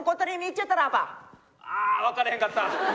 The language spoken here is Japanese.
ああ分からへんかった！